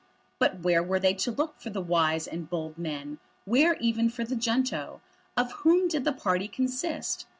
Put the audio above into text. But where were they to look for the wise and bold men? where even for the junto? Of whom did the party consist?